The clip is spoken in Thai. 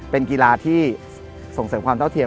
เป็นกีฬาที่ส่งเสริมความเท่าเทียม